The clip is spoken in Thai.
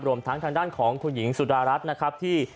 รวมทั้งทางด้านของคุณหญิงสุดารัฐนะครับที่